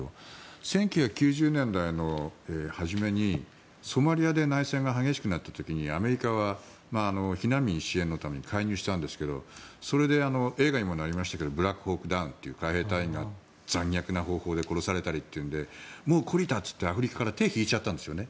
１９９０年代の初めにソマリアで内戦が激しくなった時にアメリカは避難民支援のために介入したんですがそれで映画にもなりましたけど「ブラックホークダウン」という海兵隊員が残虐な方法で殺されたりという懲りたといってアフリカから手を引いたんですよね。